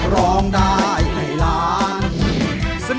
ร้องได้ให้ล้าน